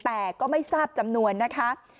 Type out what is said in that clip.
แต่ก็ไม่ทราบจำนวนนะคะ